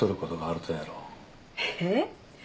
えっ？